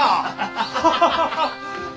ハハハハ！